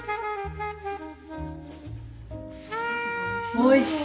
おいしい。